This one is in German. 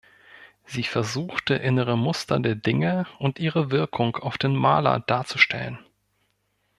Sie versuchte innere Muster der Dinge und ihre Wirkung auf den Maler darzustellen.